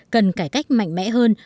cần cải cách mạnh mẽ hơn